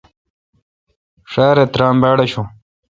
ݭارےترام باڑ آشوں۔